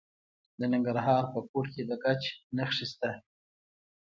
د ننګرهار په کوټ کې د ګچ نښې شته.